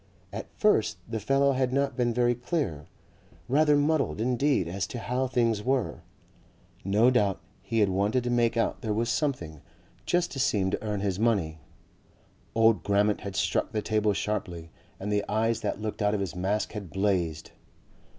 At first the fellow had not been very clear, rather muddled indeed as to how things were no doubt he had wanted to make out there was something just to seem to earn his money. Old Grammont had struck the table sharply and the eyes that looked out of his mask had blazed.